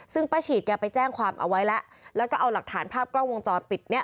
ซึ่งป้าฉีดแกไปแจ้งความเอาไว้แล้วแล้วก็เอาหลักฐานภาพกล้องวงจรปิดเนี่ย